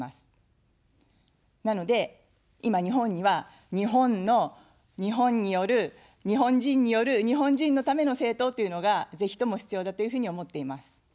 なので、今、日本には、日本の日本による、日本人による日本人のための政党というのが、ぜひとも必要だというふうに思っています。